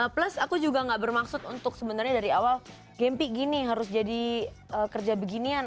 plus aku juga gak bermaksud untuk sebenarnya dari awal gempi gini harus jadi kerja beginian